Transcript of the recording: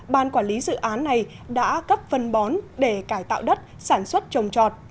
ban quản lý dự án này đã cấp phân bón để cải tạo đất sản xuất trồng trọt